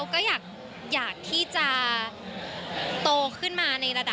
เก็บลงทุนมีความเสี่ยงค่ะ